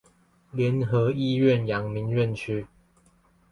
聯合醫院陽明院區